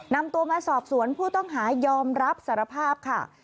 นำตัวมาสอบสวนผู้ต้องหายอมรับสารภาพค่ะ